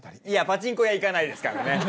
いやパチンコ屋行かないですからね。